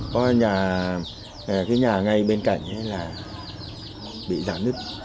có nhà cái nhà ngay bên cạnh ấy là bị giả nứt